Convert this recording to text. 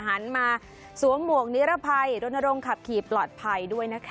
หันมาสวมหมวกนิรภัยรณรงค์ขับขี่ปลอดภัยด้วยนะคะ